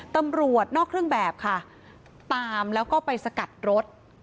ตำรวจนอกเครื่องแบบค่ะตามแล้วก็ไปสกัดรถ